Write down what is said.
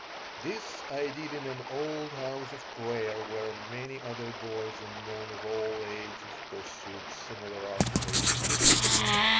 This I did in an old house of prayer where many other boys and men of all ages pursued similar occupations.